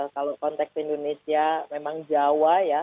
kalau konteks indonesia memang jawa ya